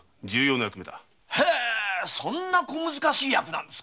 そんな小難しい役なんですか？